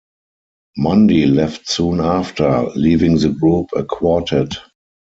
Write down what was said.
Mundy left soon after, leaving the group a quartet.